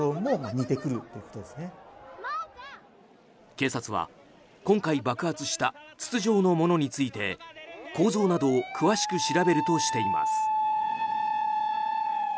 警察は今回爆発した筒状のものについて構造などを詳しく調べるとしています。